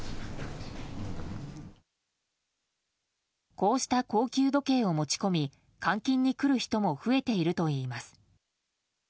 こうした高級時計を持ち込み換金に来る人も増えているといいます。